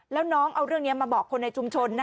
แล้วน้องเอาเรื่องนี้มาบอกคนในชุมชน